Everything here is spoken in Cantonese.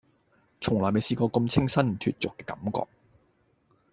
從來冇試過咁清新脫俗嘅感覺